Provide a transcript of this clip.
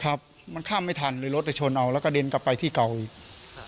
ครับมันข้ามไม่ทันเลยรถไปชนเอาแล้วก็เด็นกลับไปที่เก่าอีกครับ